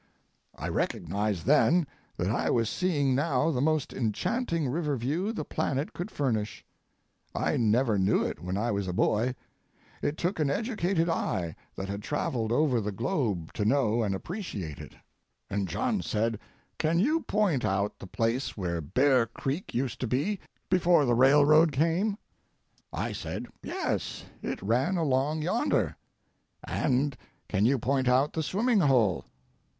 I recognized then that I was seeing now the most enchanting river view the planet could furnish. I never knew it when I was a boy; it took an educated eye that had travelled over the globe to know and appreciate it; and John said, "Can you point out the place where Bear Creek used to be before the railroad came?" I said, "Yes, it ran along yonder." "And can you point out the swimming hole?"